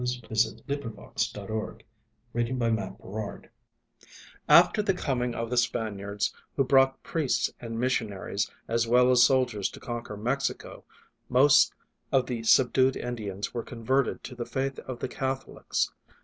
THE VIRGIN OF GUADALUPE Langston Hughes A FTER the coming of the Spaniards, •*• ^" who brought priests and missionaries, as well as soldiers to conquer Mexico, most of the subdued Indians were converted to the faith of the Catholics.